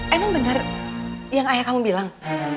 emang benar yang ayah kamu bilang